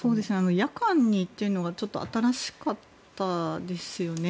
夜間にというのがちょっと新しかったですよね。